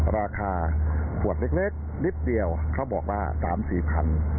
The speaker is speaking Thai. ราคาขวดเล็กนิดเดียวเขาบอกว่า๓๔พัน